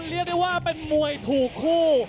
เรียกได้ว่าเป็นมวยถูกคู่